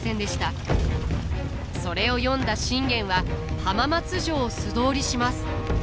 それを読んだ信玄は浜松城を素通りします。